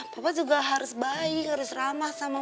bapak juga harus baik harus ramah sama